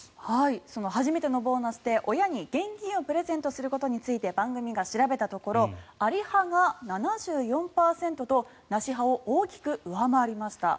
その初めてのボーナスで親に現金をプレゼントすることについて番組が調べたところあり派が７４％となし派を大きく上回りました。